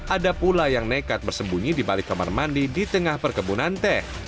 ada pula yang nekat bersembunyi di balik kamar mandi di tengah perkebunan teh